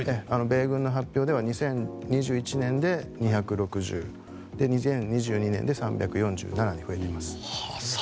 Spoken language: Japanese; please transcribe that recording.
米軍の発表では２０２１年で２６０２０２２年で３４７に増えています。